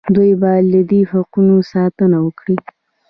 دوی باید له دې حقوقو ساتنه وکړي.